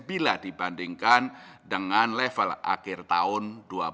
bila dibandingkan dengan level akhir tahun dua ribu dua puluh